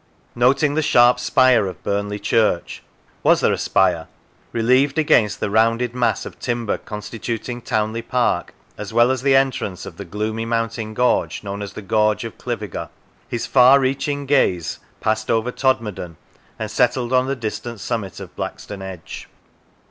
Noting the sharp spire of Burnley Church (was there a spire ?) relieved against the rounded masses of timber con stituting Townley Park, as well as the entrance of the gloomy mountain gorge known as the Gorge of Cliviger, his far reaching gaze passed over Todmorden, and settled on the distant summit of Blackstone Edge.